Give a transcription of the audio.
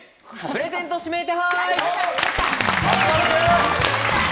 プレゼント指名手配！